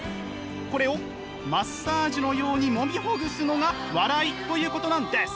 これをマッサージのようにもみほぐすのが笑いということなんです。